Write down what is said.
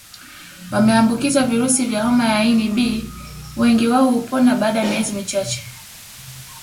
Wameambukizwa virusi vya homa ya ini B wengi wao hupona baada ya miezi michache